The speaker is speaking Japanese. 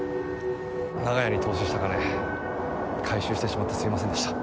長屋に投資した金回収してしまってすいませんでした。